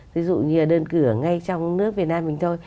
ví dụ như đơn cửa ngay trong nước việt nam mình thôi